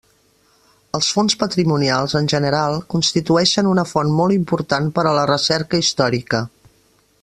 Els fons patrimonials, en general, constitueixen una font molt important per a la recerca històrica.